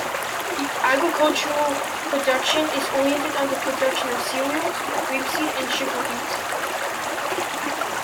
The agricultural production is oriented on the production of cereals, rapeseed and sugar beet.